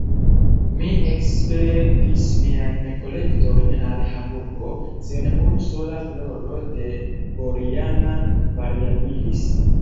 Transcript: Mi ekspedis miajn kolektojn al Hamburgo, sen unu sola floro de Boriana variabilis.